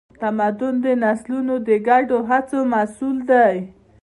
تمدن د نسلونو د ګډو هڅو محصول دی.